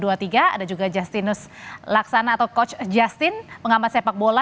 ada juga justinus laksana atau coach justin pengamat sepak bola